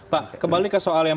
pak kembali ke soal yang